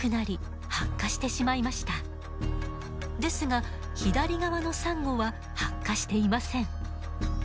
ですが左側のサンゴは白化していません。